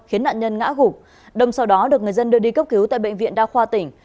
khiến nạn nhân ngã gục đâm sau đó được người dân đưa đi cấp cứu tại bệnh viện đa khoa tỉnh